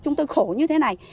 chúng tôi khổ như thế này